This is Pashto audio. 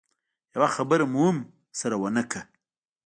يوه خبره مو هم سره ونه کړه.